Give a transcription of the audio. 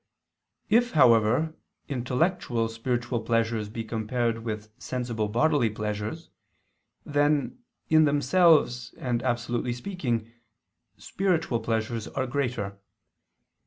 If, however, intellectual spiritual pleasures be compared with sensible bodily pleasures, then, in themselves and absolutely speaking, spiritual pleasures are greater.